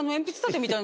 みたいな。